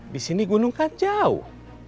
di sini gunung kan jauh